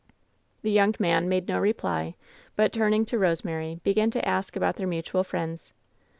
The young man made no reply, but turning to Bose mary, began to ask about their mutual friends.